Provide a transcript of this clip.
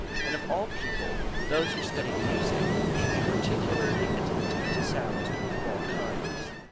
And of all people, those who study music should be particularly attentive to sounds of all kinds.